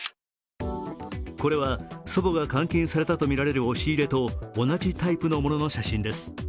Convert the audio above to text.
これは祖母が監禁されたとみられる押し入れと同じタイプのものの写真です。